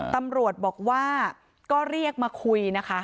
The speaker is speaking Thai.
ตำรวจบอกว่าก็เรียกมาคุยนะคะ